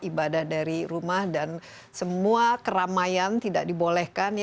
ibadah dari rumah dan semua keramaian tidak dibolehkan